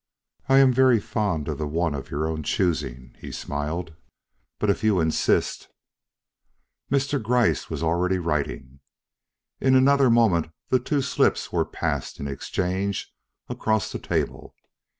"I am very fond of the one of your own choosing," he smiled, "but if you insist " Mr. Gryce was already writing. In another moment the two slips were passed in exchange across the table.